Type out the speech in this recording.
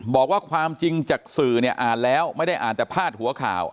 บอกว่าความจริงจากสื่อเนี่ยอ่านแล้วไม่ได้อ่านแต่พาดหัวข่าว